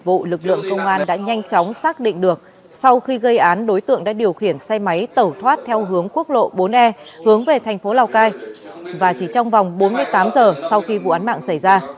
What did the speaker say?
vụ lực lượng công an đã nhanh chóng xác định được sau khi gây án đối tượng đã điều khiển xe máy tẩu thoát theo hướng quốc lộ bốn e hướng về thành phố lào cai và chỉ trong vòng bốn mươi tám giờ sau khi vụ án mạng xảy ra